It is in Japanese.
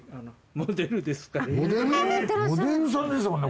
モデルさんですもんね